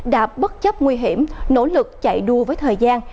đã bất chấp nguy hiểm nỗ lực chạy đua với thời gian